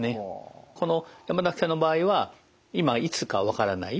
この山崎さんの場合は今いつかわからない。